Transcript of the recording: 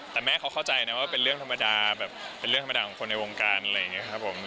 แต่แม่เขาเข้าใจนะว่าเป็นเรื่องธรรมดาแบบเป็นเรื่องธรรมดาของคนในวงการอะไรอย่างนี้ครับผม